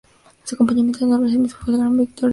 Su compañero en dobles mixtos fue el gran Viktor Barna.